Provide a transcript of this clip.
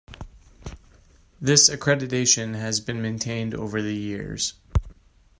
This accreditation has been maintained over the years.